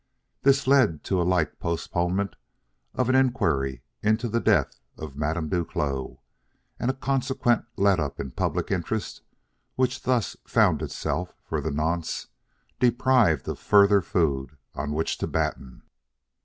This led to a like postponement of an inquiry into the death of Madame Duclos; and a consequent let up in public interest which thus found itself, for the nonce, deprived of further food on which to batten.